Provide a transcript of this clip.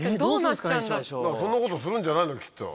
そんなことするんじゃないのきっと。